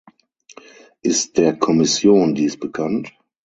Ist der Kommission dies bekannt?